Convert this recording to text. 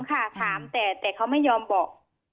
ค่ะถามแต่เขาไม่ยอมบอก